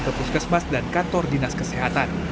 ke puskesmas dan kantor dinas kesehatan